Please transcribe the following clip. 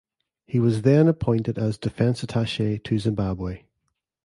He was then appointed as Defence Attache to Zimbabwe.